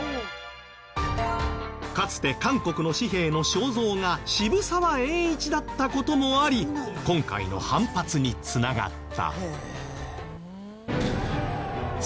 かつて韓国の紙幣の肖像が渋沢栄一だった事もあり今回の反発に繋がった。